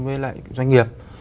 với lại doanh nghiệp